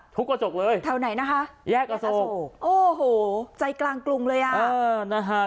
กระจกเลยแถวไหนนะคะแยกอโศกโอ้โหใจกลางกรุงเลยอ่ะเออนะฮะ